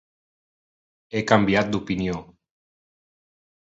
He canviat d'opinió